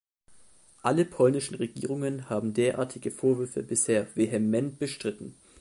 Alle polnischen Regierungen haben derartige Vorwürfe bisher vehement bestritten.